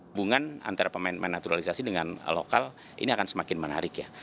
hubungan antara pemain pemain naturalisasi dengan lokal ini akan semakin menarik ya